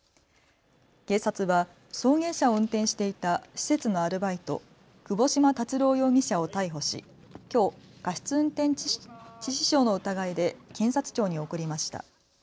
警察は送迎車を運転していた施設のアルバイト、窪島達郎容疑者を逮捕しきょう過失運転致死傷の疑いで検察庁に送りました。